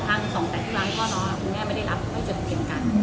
ทาง๒แต่ทุกร้านก็น้องคุณแม่ไม่ได้รับให้จดเตรียมการ